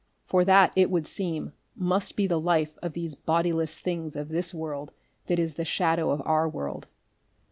For that, it would seem, must be the life of these bodiless things of this world that is the shadow of our world.